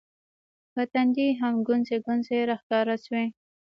په تندي هم ګونځې ګونځې راښکاره شوې